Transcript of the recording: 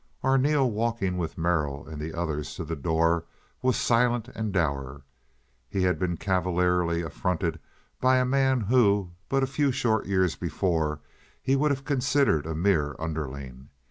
Arneel, walking with Merrill and the others to the door, was silent and dour. He had been cavalierly affronted by a man who, but a few short years before, he would have considered a mere underling.